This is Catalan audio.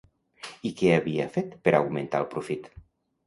I què havia fet per augmentar el profit?